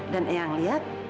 dan yaya ngeliat